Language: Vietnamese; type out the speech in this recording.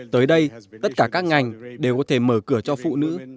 tới đây tất cả các ngành đều có thể mở cửa cho phụ nữ